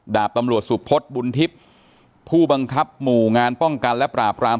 ดาบตำรวจสุพศบุญทิพย์ผู้บังคับหมู่งานป้องกันและปราบราม